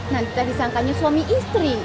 nanti tes disangkanya suami istri